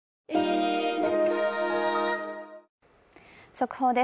速報です。